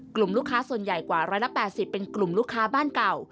กลุ่มลูกค้าส่วนใหญ่กว่า๑๘๐เป็นกลุ่มลูกค้าบ้านเก่า